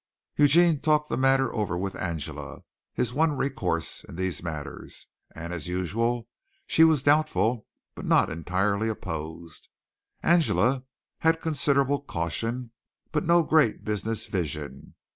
Eugene talked the matter over with Angela his one recourse in these matters and as usual she was doubtful, but not entirely opposed. Angela had considerable caution, but no great business vision.